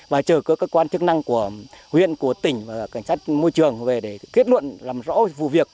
và chờ các cơ quan chức năng của huyện của tỉnh và cảnh sát môi trường về để kết luận làm rõ vụ việc